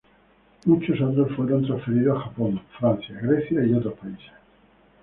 Muchos otros fueron transferidos a Japón, Francia, Grecia y otros países.